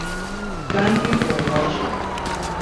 Thank you for watching.